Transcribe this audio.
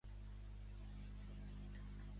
Els esclaus són propietats dels seus amos.